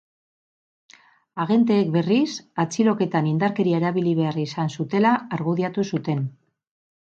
Agenteek, berriz, atxiloketan indarkeria erabili behar izan zutela argudiatu zuten.